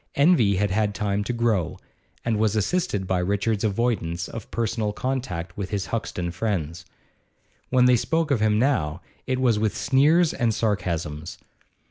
Envy had had time to grow, and was assisted by Richard's avoidance of personal contact with his Hoxton friends. When they spoke of him now it was with sneers and sarcasms.